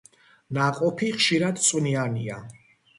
ნაყოფი ხშირად წვნიანია.